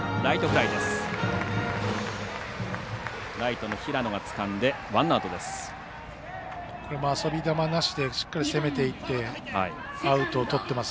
ライトの平野がつかんでワンアウトです。